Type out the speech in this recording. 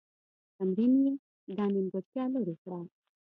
تمرین یې دا نیمګړتیا لیري کړه.